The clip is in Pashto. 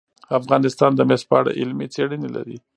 افغانستان د مس په اړه علمي څېړنې لري.